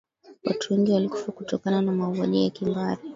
watu wengi walikufa kutokana na mauaji ya kimbari